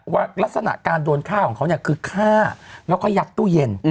ลักษณะการโดนฆ่าของเขาเนี่ยคือฆ่าแล้วก็ยัดตู้เย็น